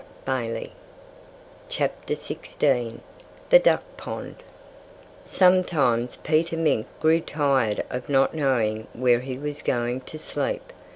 THE DUCK POND Sometimes Peter Mink grew tired of not knowing where he was going to sleep.